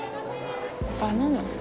バナナ。